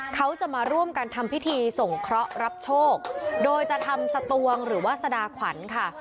เขาจะมาร่วมกันทำพิธีส่งเคราะห์รับโชคโดยจะทำสตวงหรือว่าสดาขวัญค่ะ